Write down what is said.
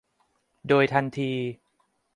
โดยทันที